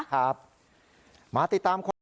ครับมาติดตามความรู้สึก